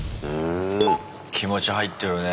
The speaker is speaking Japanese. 気持ち入ってるね。